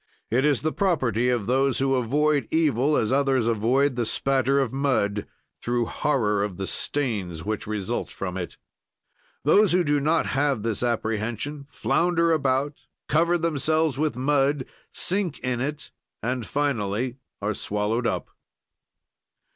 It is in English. It is the property of those who avoid evil, as others avoid the spatter of mud, through horror of the stains which result from it. Those who do not have this apprehension flounder about, cover themselves with mud, sink in it and finally are swallowed up.